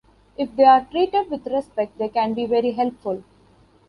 If they are treated with respect, they can be very helpful.